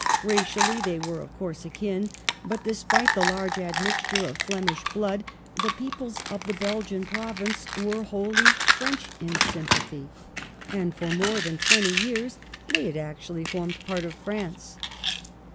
Racially they were of course akin, but despite the large admixture of Flemish blood, the peoples of the Belgian Provinces were wholly French in sympathy, and for more than twenty yeai*s they had actually formed part of France.